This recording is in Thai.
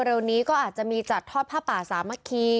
เร็วนี้ก็อาจจะมีจัดทอดผ้าป่าสามัคคี